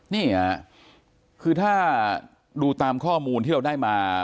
นี่ค่ะคือถ้าดูตามข้อมูลที่เราได้มา